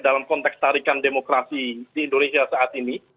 dalam konteks tarikan demokrasi di indonesia saat ini